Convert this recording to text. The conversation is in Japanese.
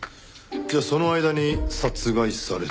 じゃあその間に殺害された。